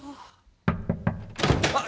あっ！